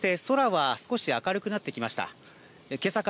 そして空は少し明るくなってきました。